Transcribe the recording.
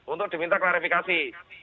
untuk diminta klarifikasi